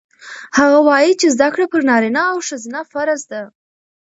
هغه وایي چې زده کړه پر نارینه او ښځینه فرض ده.